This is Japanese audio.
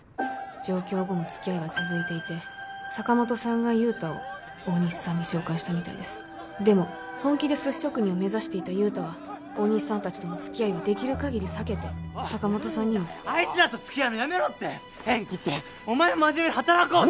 上京後もつきあいは続いていて坂本さんが雄太を大西さんに紹介したみたいですでも本気で寿司職人を目指していた雄太は大西さん達とのつきあいをできる限り避けて坂本さんにもアイツらとつきあうのやめろ縁切ってお前もマジメに働こうぜ